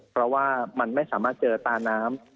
เพราะว่ามันไม่สามารถเจอตาน้ำ